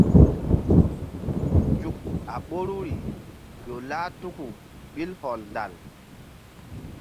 Nzuk a ɓoru ƴo lah tuku ɓil hɔndal.